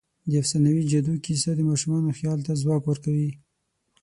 د افسانوي جادو کیسه د ماشومانو خیال ته ځواک ورکوي.